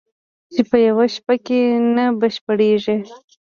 چې په یوه شپه کې نه بشپړېږي